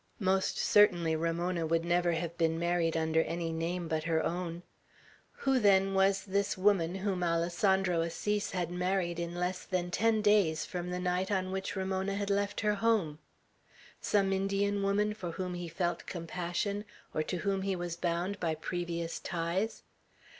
Most certainly Ramona would never have been married under any but her own name. Who, then, was this woman whom Alessandro Assis had married in less than ten days from the night on which Ramona had left her home? Some Indian woman for whom he felt compassion, or to whom he was bound by previous ties?